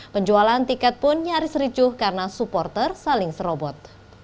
penjualan tiket pun nyaris ricuh karena supporter saling serobot